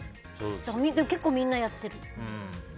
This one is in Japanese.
結構みんなやってる。